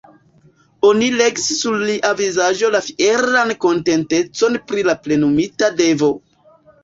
Oni legis sur lia vizaĝo la fieran kontentecon pri la plenumita devo.